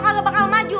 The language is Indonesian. kagak bakal maju